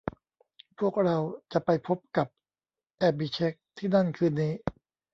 พวกเราจะไปพบกับแอบิเช็คที่นั่นคืนนี้